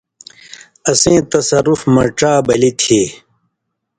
اسیں تصرُف مہ ڇا بلی تھی۔